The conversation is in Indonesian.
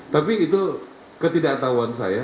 tapi itu ketidaktahuan saya